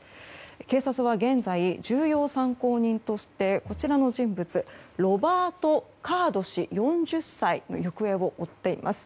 警察は現在、重要参考人としてこちらの人物ロバート・カード氏、４０歳の行方を追っています。